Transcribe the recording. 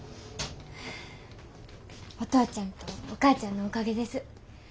お父ちゃんとお母ちゃんのおかげです。